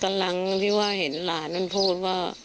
หลังที่ว่าเห็นหลานนั้นพูดว่า